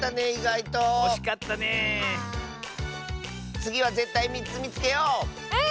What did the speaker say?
つぎはぜったい３つみつけよう！